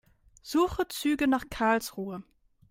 Suche Züge nach Karlsruhe.